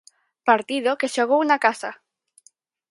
Partido que xogou na casa.